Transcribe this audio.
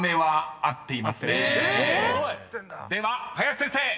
［では林先生！］